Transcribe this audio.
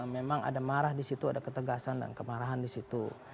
memang ada marah di situ ada ketegasan dan kemarahan di situ